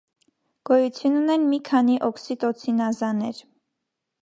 Գոյություն ունեն մի քանի օքսիտոցինազաներ։